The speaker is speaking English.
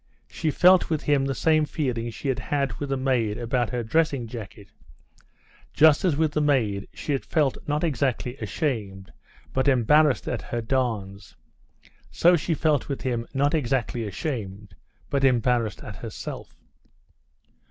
She felt with him the same feeling she had had with the maid about her dressing jacket. Just as with the maid she had felt not exactly ashamed, but embarrassed at her darns, so she felt with him not exactly ashamed, but embarrassed at herself.